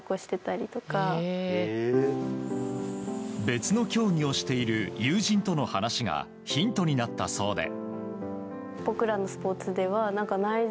別の競技をしている友人と話がヒントになったそうで。